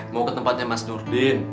mau ke tempatnya mas nurdin